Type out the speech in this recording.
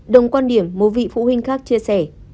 đồng quan điểm một vị phụ huynh khác chia sẻ